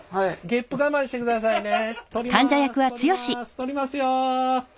ゲップ我慢してくださいね。